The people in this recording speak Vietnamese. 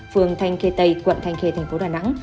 phường thanh khê tây quận thanh khê thành phố đà nẵng